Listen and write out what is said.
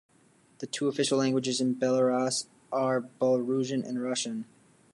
The two official languages in Belarus are Belarusian and Russian.